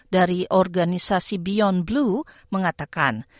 dari organisasi beyond blue mengatakan